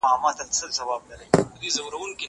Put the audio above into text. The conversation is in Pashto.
که وخت وي ليکنې کوم